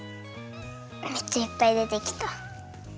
めっちゃいっぱいでてきた。